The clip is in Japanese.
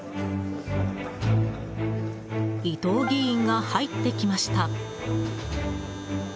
伊藤議員が入ってきました。